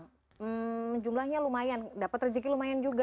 hmm jumlahnya lumayan dapat rezeki lumayan juga